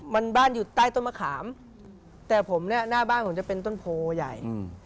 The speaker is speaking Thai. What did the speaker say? มันบ้านอยู่ใต้ต้นมะขามแต่ผมเนี่ยหน้าบ้านผมจะเป็นต้นโพใหญ่อืม